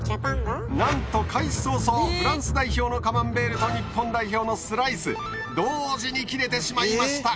なんと開始早々フランス代表のカマンベールと日本代表のスライス同時に切れてしまいました。